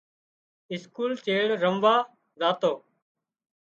اسڪول چيڙ رموازاتو